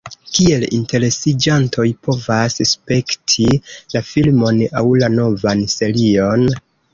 Kiel interesiĝantoj povas spekti la filmon aŭ la novan serion?